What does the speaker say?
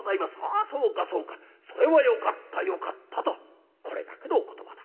『あそうかそうかそれはよかったよかった』とこれだけのお言葉だ。